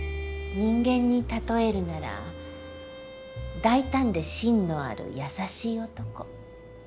人間に例えるなら大胆で芯のある優しい男。